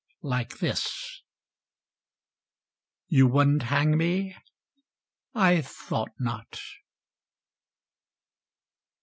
Like this ... You wouldn't hang me? thought not."